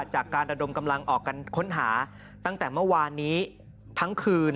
จากการระดมกำลังออกกันค้นหาตั้งแต่เมื่อวานนี้ทั้งคืน